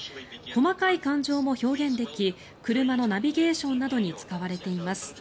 細かい感情も表現でき車のナビゲーションなどに使われています。